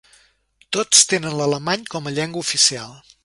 Tots tenen l'alemany com a llengua oficial.